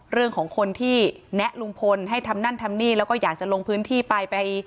เรื่องของคนที่แนะลุงพลให้ทำนั่นทำนี่แล้วก็อยากจะลงพื้นที่ไปไป